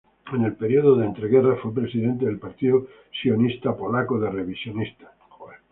En el período de entreguerras fue presidente del Partido Sionista Polaco de Revisionistas.